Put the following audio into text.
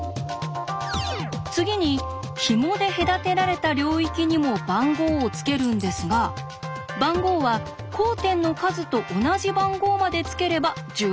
次にひもで隔てられた領域にも番号をつけるんですが番号は交点の数と同じ番号までつければ十分です。